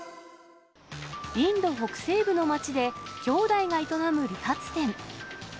インド北西部の街で、兄弟が営む理髪店。